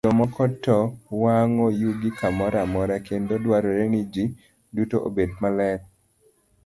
Jomoko to wang'o yugi kamoro amora, kendo dwarore ni ji duto obed maler.